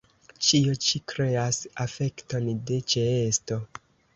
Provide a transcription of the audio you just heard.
Ĉio ĉi kreas efekton de ĉeesto.